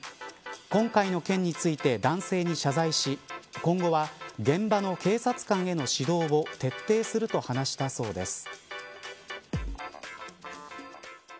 今回の件について男性に謝罪し今後は現場の警察官への指導を徹底すると話したそうです。